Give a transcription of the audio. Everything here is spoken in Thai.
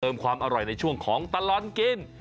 ความอร่อยในช่วงของตลอดกิน